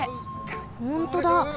ほんとだ！